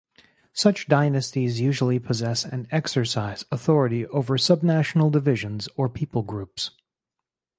Such dynasties usually possess and exercise authority over subnational divisions or people groups.